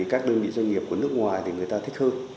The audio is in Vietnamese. các đơn vị doanh nghiệp của nước ngoài thì người ta thích hơn